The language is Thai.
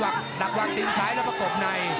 ดักวางตีนซ้ายแล้วประกบใน